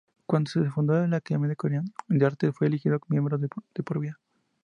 Cuando se fundó la Academia Coreana de Artes fue elegido miembro de por vida.